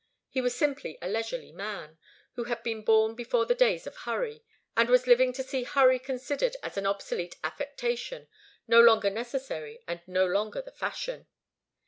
He was simply a leisurely man, who had been born before the days of hurry, and was living to see hurry considered as an obsolete affectation, no longer necessary, and no longer the fashion.